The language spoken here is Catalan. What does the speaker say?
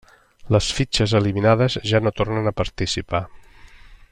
Les fitxes eliminades ja no tornen a participar.